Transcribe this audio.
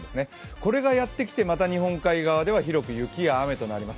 これがやってきて、また日本海側では雪や雨となります。